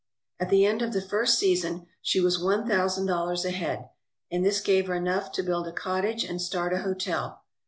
At the end of the first season she was one thousand dollars ahead, and this gave her enough to build a cottage and start a hotel.